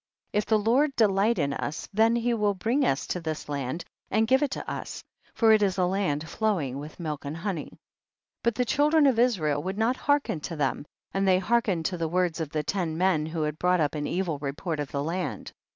38. If the Lord delight in us, then he will bring us to this land and give it to us, for it is a land flowing with milk and honey. 39. But the children of Israel would not hearken to them, and they hearkened to the words of the ten men who had brought up an evil report of the land.